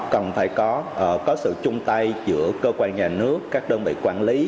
cần phải có sự chung tay giữa cơ quan nhà nước các đơn vị quản lý